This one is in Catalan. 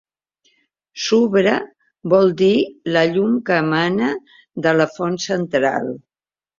"Subra" vol dir "la llum que emana de la font central".